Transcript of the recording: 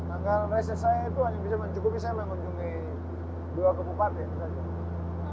anggaran reses saya itu hanya bisa mencukupi saya mengunjungi dua kabupaten saja